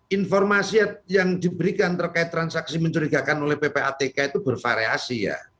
informasi yang diberikan terkait transaksi mencurigakan oleh ppatk itu bervariasi ya